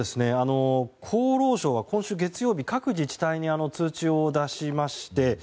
厚労省は今週月曜日各自治体に通知を出しまして。